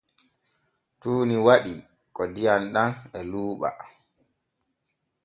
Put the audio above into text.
Tuuni waɗi ko diyam ɗam e luuɓa.